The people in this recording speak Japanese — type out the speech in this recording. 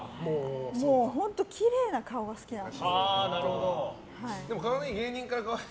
本当にきれいな顔が好きなの。